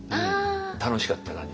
楽しかった感じ。